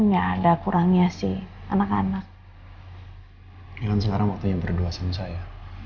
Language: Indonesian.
ya kan sekarang waktunya berdua sama saya